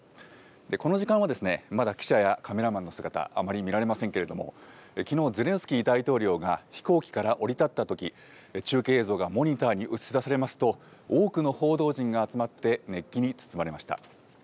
この時間はまだ記者やカメラマンの姿、あまり見られませんけれども、きのう、ゼレンスキー大統領が飛行機から降り立ったとき、中継映像がモニターに映し出されますと、多くの報道陣が集まって熱気に包まれました。